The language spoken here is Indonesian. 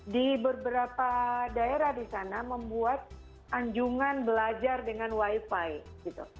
di beberapa daerah di sana membuat anjungan belajar dengan wifi gitu